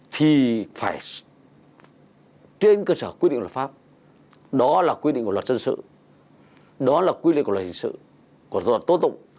thì phải trên cơ sở quy định luật pháp đó là quy định của luật dân sự đó là quy định của luật hình sự của luật tố tụng